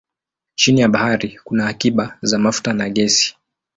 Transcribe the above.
Chini ya bahari kuna akiba za mafuta na gesi.